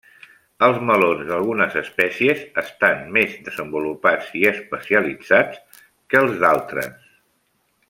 Els melons d'algunes espècies estan més desenvolupats i especialitzats que els d'altres.